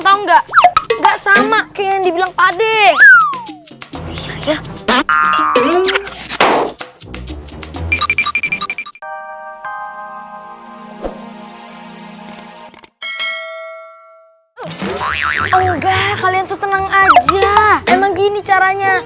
tahu enggak enggak sama kayak yang dibilang pak ade kalian tuh tenang aja emang gini caranya